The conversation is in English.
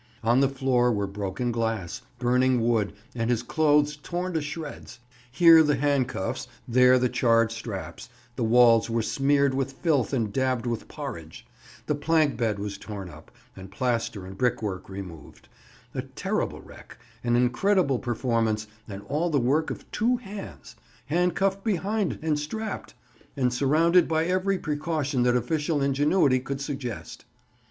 On the floor were broken glass, burning wood, and his clothes torn to shreds; here the handcuffs, there the charred straps: the walls were smeared with filth and dabbed with porridge; the plank bed was torn up, and plaster and brickwork removed: a terrible wreck, an incredible performance, and all the work of two hands, handcuffed behind and strapped, and surrounded by every precaution that official ingenuity could suggest.